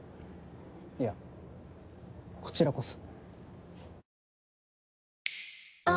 いやこちらこそ。